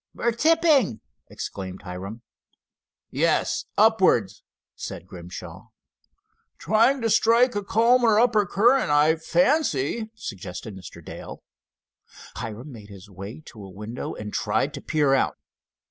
"We're tipping," exclaimed Hiram. "Yes, upwards," said Grimshaw. "Trying to strike a calmer upper current, I fancy," suggested Mr. Dale. Hiram made his way to a window and tried to peer out.